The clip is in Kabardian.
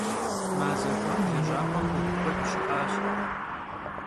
Maze k'uam lejap'em 'uexu kued şı'aş.